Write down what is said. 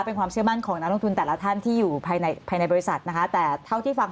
เป็นความเชื่อมั่นของนักลงทุนแต่ละท่านที่อยู่ภายในภายในบริษัทนะคะแต่เท่าที่ฟัง